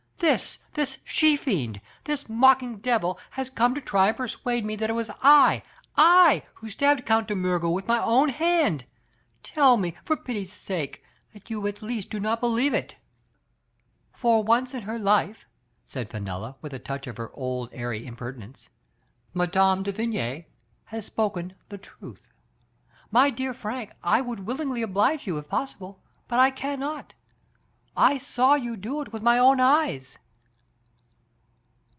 This, this she fiend, this mocking devil has come to try and persuade me that it was I — /who stabbed Count de Miirger with my own hand ! Tell me, for pity's sake, that you at least do not believe it !" "For once in her life," said Fenella, with a touch of her old airy impertinence, "Mme. de Vigny has spoken the truth. My dear Frank, I would willingly oblige you if possible, but I can not. I saw you do it with my own eyes